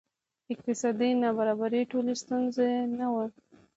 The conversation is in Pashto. اقتصادي نابرابري ټولې ستونزې نه وه.